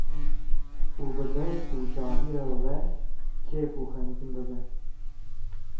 û bi derd û şahiya we kêf û xemgîn bibe.